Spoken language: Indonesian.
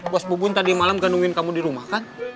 was bubun tadi malam gandungin kamu di rumah kan